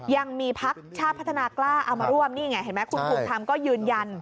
ยังมีภักดิ์ชาติพัฒนากล้าเอามาร่วมมันให้คุณกับผมก็ยืนยัน